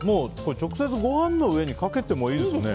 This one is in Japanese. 直接ご飯の上にかけてもいいですね。